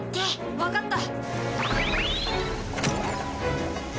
わかった。